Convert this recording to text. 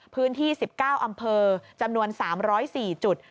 พื้นที่๑๙อำเภอจำนวน๓๐๔จุด